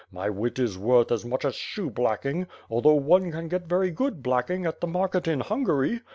My wit is worth as much as shoeblacking, although one can get very good black ing at the market in Hungary.